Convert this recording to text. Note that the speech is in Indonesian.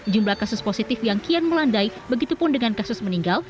jumlah kasus positif yang kian melandai begitupun dengan kasus meninggal